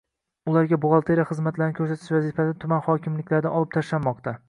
ularga buxgalteriya xizmatini ko‘rsatish vazifasi tuman hokimliklaridan olib tashlanmoqda.